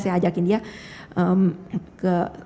saya ajakin dia ke